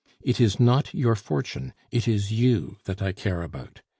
It is not your fortune, it is you that I care about.